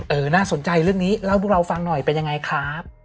น่าสนใจเรื่องนี้เล่าให้พวกเราฟังหน่อยเป็นยังไงครับ